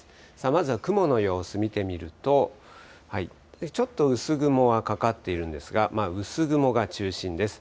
まずは雲の様子見てみると、ちょっと薄雲がかかっているんですが、まあ、薄雲が中心です。